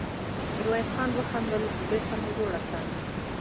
ميرويس خان وخندل: بېرته مو جوړه کړه!